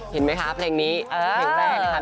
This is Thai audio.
เห็นไหมคะเพลงนี้เพลงแรกนะคะ